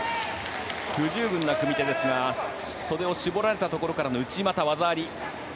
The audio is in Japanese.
不十分な組手ですが袖を絞られたところからの内股で技あり。